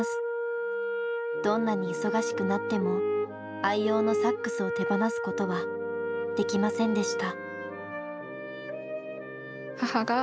どんなに忙しくなっても愛用のサックスを手放すことはできませんでした。